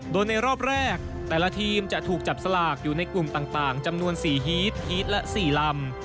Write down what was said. โดยในรอบแรกแต่ละทีมจะถูกจับสลากอยู่ในกลุ่มต่างจำนวน๔ฮีตฮีตและ๔ลำ